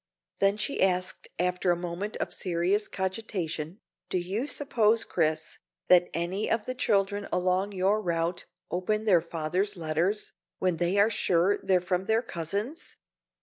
Then she asked after a moment of serious cogitation, "Do you suppose, Chris, that any of the children along your route open their fathers' letters, when they are sure they're from their cousins?"